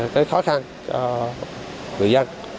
cái khó khăn cho người dân